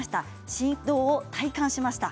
振動を体感しました。